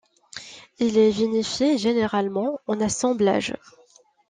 Il est vinifié généralement en assemblage.